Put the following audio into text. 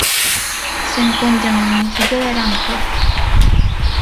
Se encuentra en el municipio de Aranjuez.